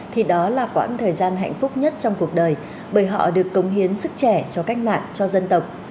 thì đó là quãng thời gian hạnh phúc nhất trong cuộc đời bởi họ được cống hiến sức trẻ cho cách mạng cho dân tộc